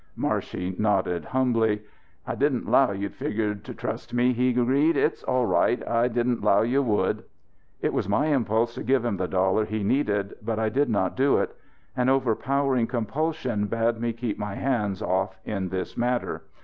Marshey nodded humbly. "I didn't 'low you'd figure to trust me." he agreed. "It's all right. I didn't 'low you would." It was my impulse to give him the dollar he needed, but I did not do it. An overpowering compulsion bade me keep my hands off in this matter.